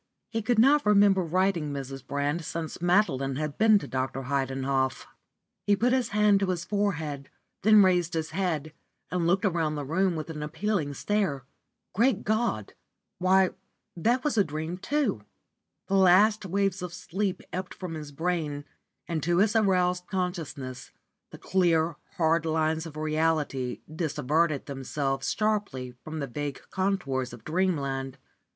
He could not remember writing Mrs. Brand since Madeline had been to Dr. Heidenhoff. He put his hand to his forehead, then raised his head and looked around the room with an appealing stare. Great God! why, that was a dream too! The last waves of sleep ebbed from his brain and to his aroused consciousness the clear, hard lines of reality dissevered themselves sharply from the vague contours of dreamland.